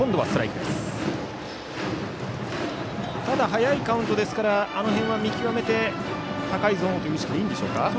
早いカウントですから低めは見極めて高いゾーンという意識でいいでしょうか。